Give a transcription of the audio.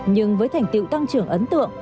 nhưng với thành tiệu tăng trưởng ấn tượng